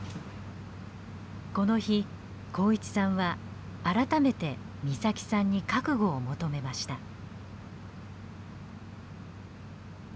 この日幸一さんは改めて岬さんに覚悟を求めました。